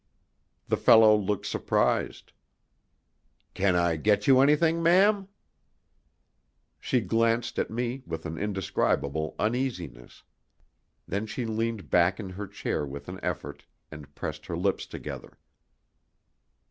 The fellow looked surprised. "Can I get you anything, ma'am?" She glanced at me with an indescribable uneasiness. Then she leaned back in her chair with an effort, and pressed her lips together.